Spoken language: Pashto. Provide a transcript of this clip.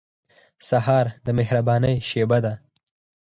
سهار د مهربانۍ شېبه ده.